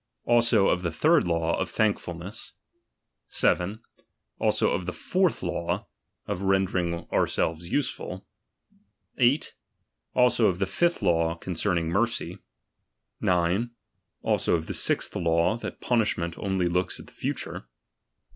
Also of the third law, of thankfulness. 7. Also of the fourth law, of rendering ourselves useful. 8. Alsoof the fifth law, concerning mercy. 9. Also of the sixth law, that punish ment only looks at the future.